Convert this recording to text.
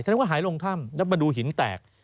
ฉะนั้นก็หายลงท่ำแล้วมันดูหินแตก